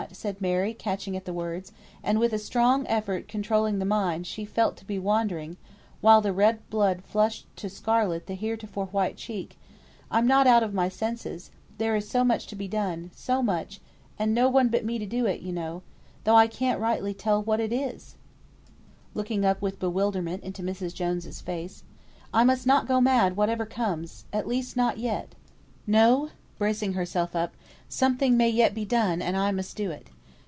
said Mary, catching at the words, and with a strong effort controlling the mind she felt to be wandering, while the red blood flushed to scarlet the heretofore white cheek, "I'm not out of my senses; there is so much to be done so much and no one but me to do it, you know, though I can't rightly tell what it is," looking up with bewilderment into Mrs. Jones's face. "I must not go mad whatever comes at least not yet. No!" (bracing herself up) "something may yet be done, and I must do it.